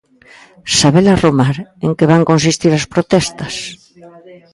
Sabela Romar, en que van consistir as protestas?